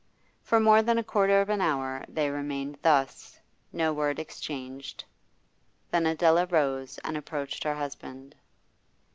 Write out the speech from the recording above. For more than a quarter of an hour they remained thus, no word exchanged. Then Adela rose and approached her husband.